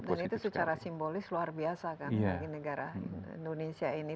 dan itu secara simbolis luar biasa kan bagi negara indonesia ini